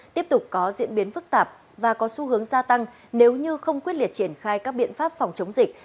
tiếp tục có diễn biến phức tạp và có xu hướng gia tăng nếu như không quyết liệt triển khai các biện pháp phòng chống dịch